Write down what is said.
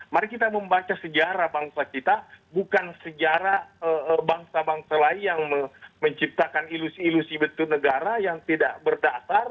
mari kita membaca sejarah bangsa kita bukan sejarah bangsa bangsa lain yang menciptakan ilusi ilusi betul negara yang tidak berdasar